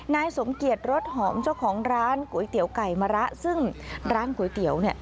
นายสมเกียจรสหอมเจ้าของร้านก๋วยเตี๋ยวไก่มะระซึ่งร้านก๋วยเตี๋ยวเนี่ย